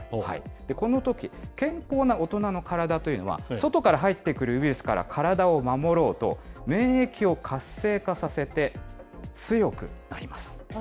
このとき、健康な大人の体というのは、外から入ってくるウイルスから体を守ろうと、免疫を活性化させて強くなります。